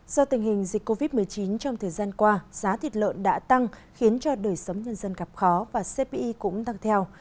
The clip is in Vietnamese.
do tình hình dịch covid một mươi chín trong thời gian qua giá thịt lợn đã tăng khiến cho đời sống nhân dân gặp khó và cpi cũng tăng theo